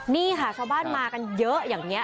นี่ค่ะชาวบ้านมากันเยอะอย่างนี้